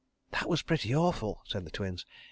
_] "That was pretty awful," said the Twins.